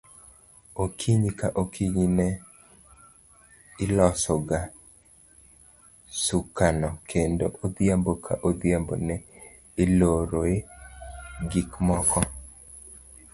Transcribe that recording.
Okinyi ka okinyi ne ilosoga sukano, kendo odhiambo ka odhiambo ne iloroe gik moko.